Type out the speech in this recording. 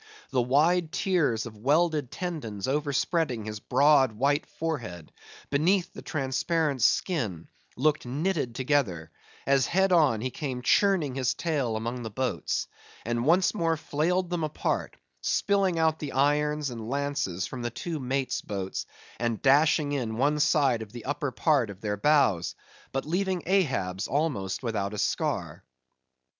The wide tiers of welded tendons overspreading his broad white forehead, beneath the transparent skin, looked knitted together; as head on, he came churning his tail among the boats; and once more flailed them apart; spilling out the irons and lances from the two mates' boats, and dashing in one side of the upper part of their bows, but leaving Ahab's almost without a scar.